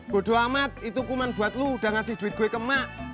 bodo amat itu kuman buat lo udah ngasih duit gue ke emak